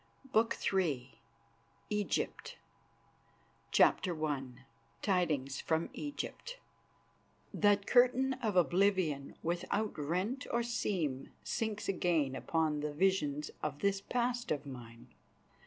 BOOK III EGYPT CHAPTER I TIDINGS FROM EGYPT That curtain of oblivion without rent or seam sinks again upon the visions of this past of mine.